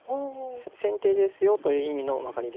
先手ですよという意味のマガリです。